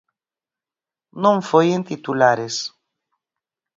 Non foi en titulares.